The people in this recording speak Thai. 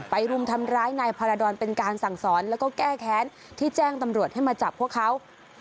รุมทำร้ายนายพาราดรเป็นการสั่งสอนแล้วก็แก้แค้นที่แจ้งตำรวจให้มาจับพวกเขา